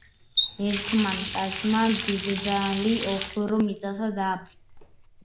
ერთმან კაცმან დიდძალი ოქრო მიწასა დაფლა .